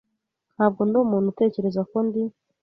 Ntabwo ndi umuntu utekereza ko ndi.